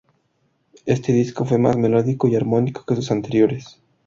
Este disco fue más melódico y armónico que sus anteriores.